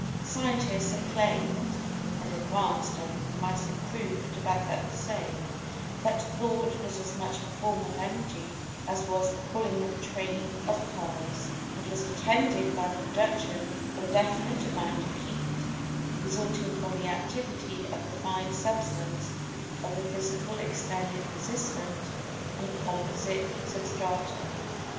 Scientists have claimed, and advanced a mass of proof to back up the same, that Thought was as much a form of Energy as was the pulling of a train of cars, and was attended by the production of a definite amount of Heat, resulting from the activity of the fine substance of the physical extended resistant and composite substratum.